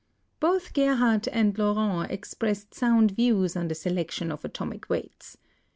Both Gerhardt and Laurent expressed sound views on the selection of atomic weights.